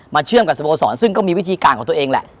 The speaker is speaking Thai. เชื่อมกับสโมสรซึ่งก็มีวิธีการของตัวเองแหละ